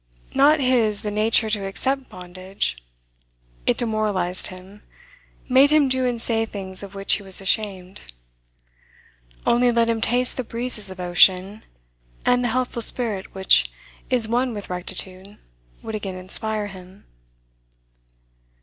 Not his the nature to accept bondage; it demoralised him, made him do and say things of which he was ashamed. Only let him taste the breezes of ocean, and the healthful spirit which is one with rectitude would again inspire him.